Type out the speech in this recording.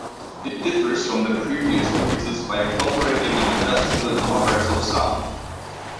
It differs from their previous releases by incorporating an industrial and more aggressive sound.